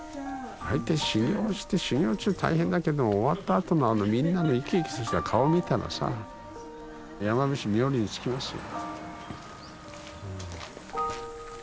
大体修行して修行中大変だけども終わったあとのあのみんなの生き生きとした顔見たらさ山伏冥利につきますよ。